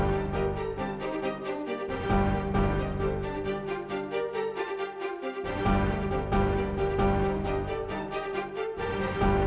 nenek udah memperbaik atas kita